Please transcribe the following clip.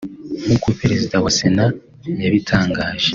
nk’uko Perezida wa Sena yabitangaje